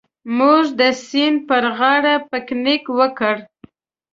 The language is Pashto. موږ د سیند پر غاړه پکنیک وکړ.